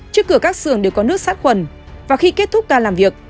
trước cửa các xưởng đều có nước sát khuẩn và khi kết thúc ca làm việc